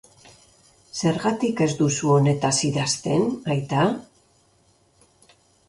Zergatik ez duzu honetaz idazten, aita?